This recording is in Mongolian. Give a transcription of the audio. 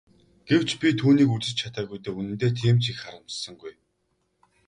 Гэвч би түүнийг үзэж чадаагүй дээ үнэндээ тийм ч их харамссангүй.